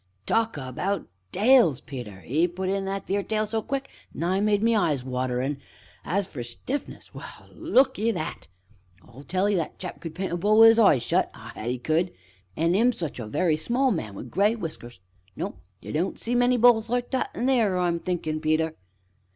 Talk about tails, Peter! 'E put in that theer tail so quick as nigh made my eyes water, an' as for stiffness well, look at it! I tell 'ee that chap could paint a bull wi' 'is eyes shut, ah, that 'e could! an' 'im such a very small man wi' gray whiskers. No, ye don't see many bulls like that un theer, I'm thinkin', Peter?"